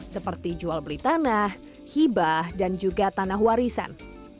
seperti jual beli tanah hibah dan juga tanah warisan